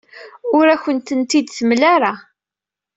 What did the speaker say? Ur akent-ten-id-temla ara.